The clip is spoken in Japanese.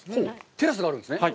テラスがあるんですね。